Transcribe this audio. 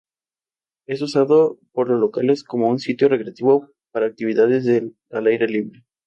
De repente, un robot colosal da un paso adelante, sujetando una motosierra.